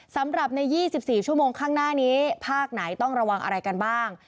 สำหรับใน๒๔ชั่วโมงข้างหน้านี้ภาคไหนต้องระวังอะไรกันบ้าง